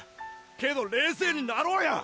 けど冷静になろうや！